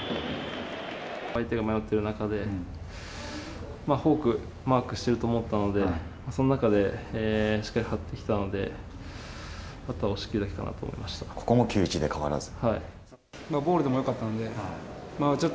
相手が迷ってる中で、フォーク、マークしてると思ったので、その中でしっかりはってきたので、あとは押し切るだけかなと思いまここも９ー１で変わらず？